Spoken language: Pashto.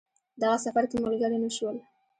دغه سفر کې ملګري نه شول.